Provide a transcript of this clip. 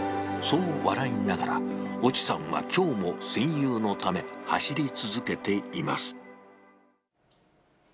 そう笑いながら、越智さんはきょうも戦友のため、走り続けています。